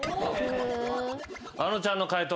あのちゃんの解答